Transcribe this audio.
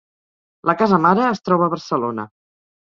La casa mare es troba a Barcelona.